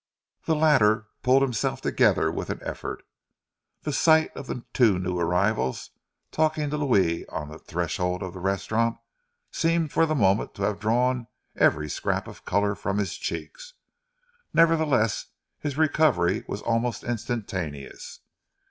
The latter pulled himself together with an effort. The sight of the two new arrivals talking to Louis on the threshold of the restaurant, seemed for the moment to have drawn every scrap of colour from his cheeks. Nevertheless, his recovery was almost instantaneous.